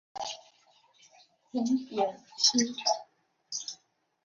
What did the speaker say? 红点梯形蟹为扇蟹科梯形蟹属的动物。